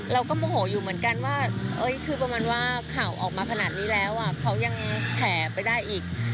โมโหอยู่เหมือนกันว่าคือประมาณว่าข่าวออกมาขนาดนี้แล้วเขายังแผ่ไปได้อีก